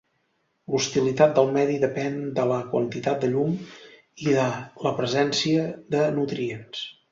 L'hostilitat del medi depèn de la quantitat de llum i de la presència de nutrients.